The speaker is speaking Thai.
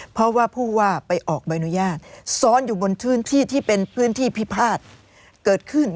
เพราะว่าผู้ว่าไปออกใบอนุญาตซ้อนอยู่บนพื้นที่ที่เป็นพื้นที่พิพาทเกิดขึ้น